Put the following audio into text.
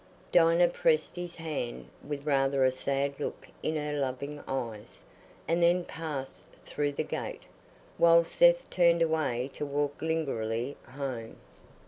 Dinah pressed his hand with rather a sad look in her loving eyes, and then passed through the gate, while Seth turned away to walk lingeringly home.